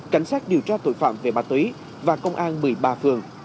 cảnh sát điều tra tội phạm về ma túy và công an một mươi ba phường